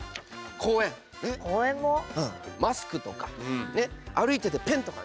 マスクとかねっ歩いててペンとかね。